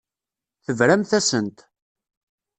Tebramt-asent.